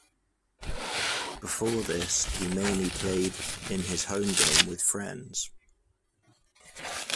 Before this, he mainly played in his home game with friends.